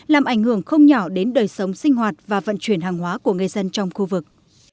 làm ảnh hưởng không nhỏ đến đời sống sinh hoạt và vận chuyển hàng hóa của người dân trong khu vực